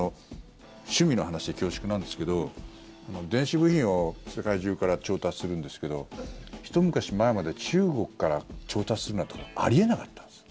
趣味の話で恐縮なんですけど電子部品を世界中から調達するんですけどひと昔前まで中国から調達するなんてあり得なかったんです。